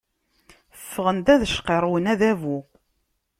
Ffɣen-d ad cqirrwen Adabu.